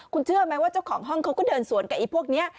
คุณเชื่อไหมว่าเจ้าของห้องเขาก็เดินสวนกับไอ้พวกนี้